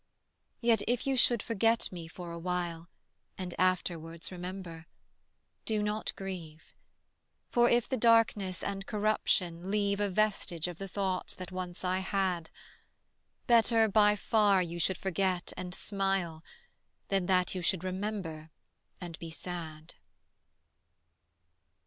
Yet if you should forget me for a while And afterwards remember, do not grieve: For if the darkness and corruption leave A vestige of the thoughts that once I had, Better by far you should forget and smile Than that you should remember and be sad.